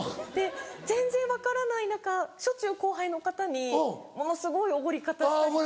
全然分からない中しょっちゅう後輩の方にものすごいおごり方したりとか。